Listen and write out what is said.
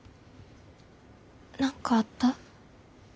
何かあった？